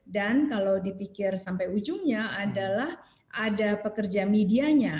dan kalau dipikir sampai ujungnya adalah ada pekerja medianya